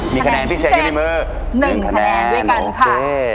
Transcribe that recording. มีคะแนนพิเศษอยู่ในมือ๑คะแนนด้วยกันค่ะ